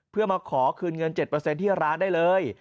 เพื่อมาขอคืนเงิน๗ที่ร้านได้เลย